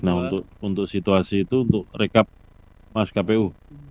nah untuk situasi itu untuk rekap mas kpu